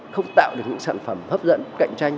không tạo được những sản phẩm hấp dẫn cạnh tranh